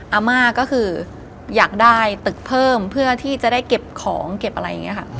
อาม่าก็คืออยากได้ตึกเพิ่มเพื่อที่จะได้เก็บของเก็บอะไรอย่างนี้ค่ะ